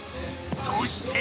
［そして］